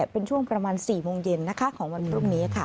เป็นช่วงประมาณ๔โมงเย็นของวันพรุ่งนี้